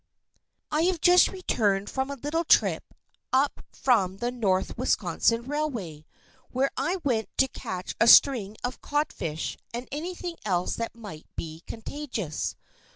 I have just returned from a little trip up from the North Wisconsin Railway, where I went to catch a string of codfish and anything else that might be contagious.